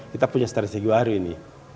kita punya strategi baru ini